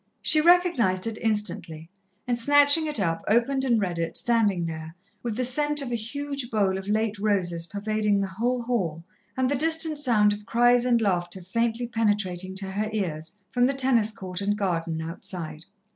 She recognized it instantly, and snatching it up, opened and read it standing there, with the scent of a huge bowl of late roses pervading the whole hall, and the distant sound of cries and laughter faintly penetrating to her ears from the tennis court and garden outside.